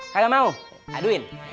kagak mau aduin